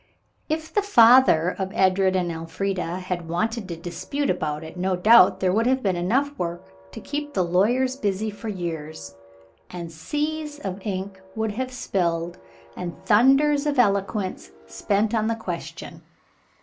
If the father of Edred and Elfrida had wanted to dispute about it no doubt there would have been enough work to keep the lawyers busy for years, and seas of ink would have been spilled and thunders of eloquence spent on the question.